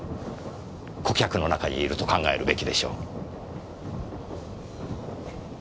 顧客の中にいると考えるべきでしょう。